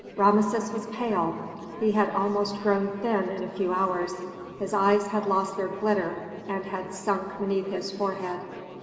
Rameses was pale; he had almost grown thin in a few hours; his eyes had lost their glitter and had sunk beneath his forehead.